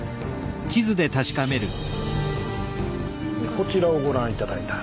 こちらをご覧頂いたら。